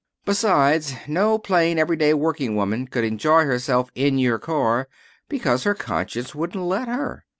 Besides, no plain, everyday workingwoman could enjoy herself in your car because her conscience wouldn't let her.